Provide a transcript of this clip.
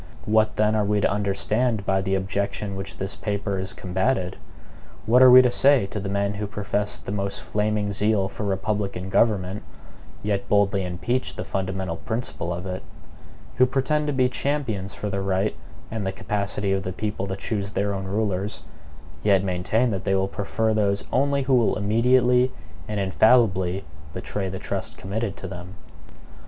What then are we to understand by the objection which this paper has combated? What are we to say to the men who profess the most flaming zeal for republican government, yet boldly impeach the fundamental principle of it; who pretend to be champions for the right and the capacity of the people to choose their own rulers, yet maintain that they will prefer those only who will immediately and infallibly betray the trust committed to them?